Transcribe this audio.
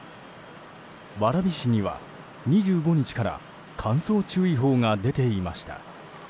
蕨市には２５日から乾燥注意報が出ていました。